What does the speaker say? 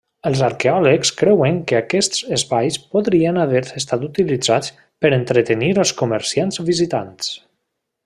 Els arqueòlegs creuen que aquests espais podrien haver estat utilitzats per entretenir els comerciants visitants.